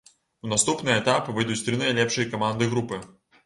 У наступны этап выйдуць тры найлепшыя каманды групы.